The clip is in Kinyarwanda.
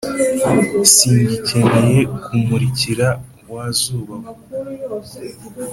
Singikeneye ko umurikira wazuba we